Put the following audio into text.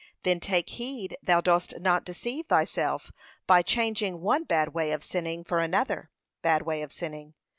Then take heed thou dost not deceive thyself, by changing one bad way of sinning for another bad way of sinning.